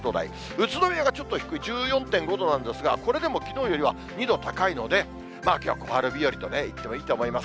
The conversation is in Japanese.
宇都宮がちょっと低い、１４．５度なんですが、これでもきのうよりは２度高いので、きょうは小春日和と言ってもいいと思います。